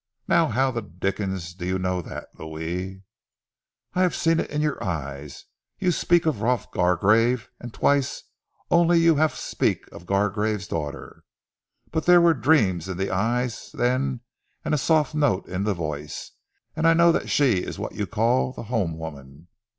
"Now how the dickens do you know that, Louis?" "I have seen it in your eyes. You speak of Rolf Gargrave, an' twice, only twice you hav' speak of Gargrave's daughter, but there were dreams in ze eyes then, and a soft note in ze voice, and I know dat she is what you call ze home woman.